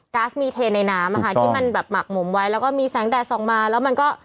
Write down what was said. ๊าซมีเทในน้ำอะค่ะที่มันแบบหมักหมมไว้แล้วก็มีแสงแดดส่องมาแล้วมันก็